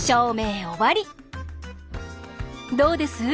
どうです？